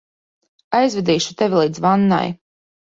Aizvedīšu tevi līdz vannai.